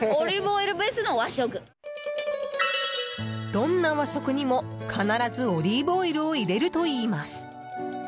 どんな和食にも必ずオリーブオイルを入れるといいます。